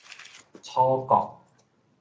楚國